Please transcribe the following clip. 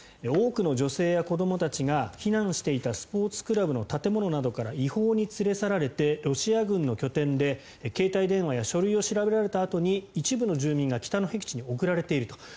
多くの女性や子どもたちがスポーツクラブの建物などから違法に連れ去られてロシア軍の拠点で携帯電話や書類を調べられたあとに一部の住民が北のへき地に送られていると。